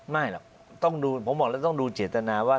ไม่หรอกต้องดูผมบอกแล้วต้องดูเจตนาว่า